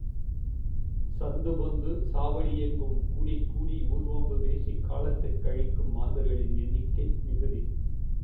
சந்து பொந்து, சாவடி எங்கும் கூடிக்கூடி ஊர் வம்பு பேசியே காலத்தைக் கழிக்கும் மாந்தர்களின் எண்ணிக்கை மிகுதி.